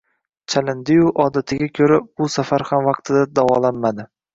Chalindi-yu, odatiga ko‘ra, bu safar ham vaqtida davolanmadi